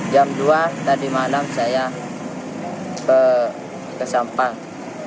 jam dua tadi malam saya ke sampang